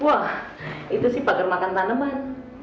wah itu sih pakem makan tanaman